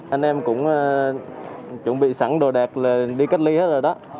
anh em cũng chuẩn bị sẵn đồ đạc là đi cách ly hết rồi đó